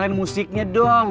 nyalain musiknya doang